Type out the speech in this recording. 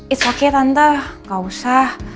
it's okay tante gak usah